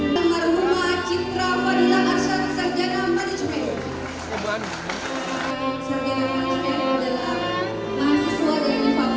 mereka yang siap membintik dan mencari kegiatan kita